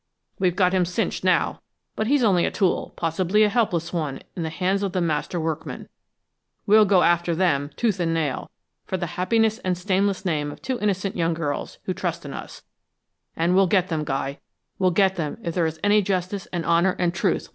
We've got him cinched now, but he's only a tool, possibly a helpless one, in the hands of the master workmen. We'll go after them, tooth and nail, for the happiness and stainless name of two innocent young girls, who trust in us, and we'll get them, Guy, we'll get them if there is any justice and honor and truth left in the world!"